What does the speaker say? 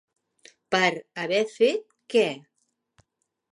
Per haver fet què?